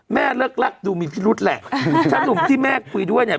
แม่เลิกรักดูมีพิรุธแหละทั้งหลุมที่แม่คุยด้วย